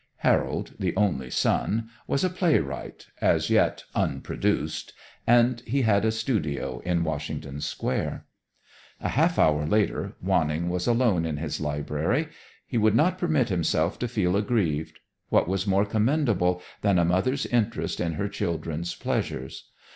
Harold, the only son, was a playwright as yet "unproduced" and he had a studio in Washington Square. A half hour later, Wanning was alone in his library. He would not permit himself to feel aggrieved. What was more commendable than a mother's interest in her children's pleasures?